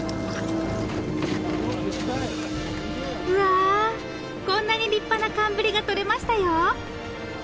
うわこんなに立派な寒ブリがとれましたよ！